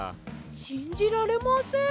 しんじられません。